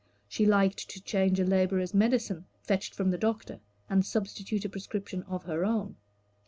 She liked to change a laborer's medicine fetched from the doctor, and substitute a prescription of her own.